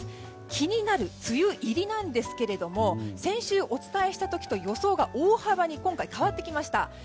気になる梅雨入りですが先週お伝えした時と予想が大幅に変わってきました。